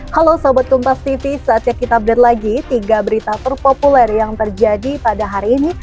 halo sobat tumpas tv saatnya kita update lagi tiga berita terpopuler yang terjadi pada hari ini